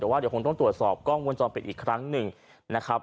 แต่ว่าเดี๋ยวคงต้องตรวจสอบกล้องวงจรปิดอีกครั้งหนึ่งนะครับ